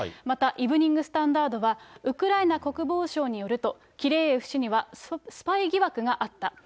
またイブニング・スタンダードは、ウクライナ国防省によると、キレーエフ氏にはスパイ疑惑があった。